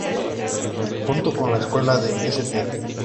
Junto con la Escuela de St.